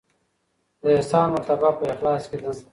د احسان مرتبه په اخلاص کې ده.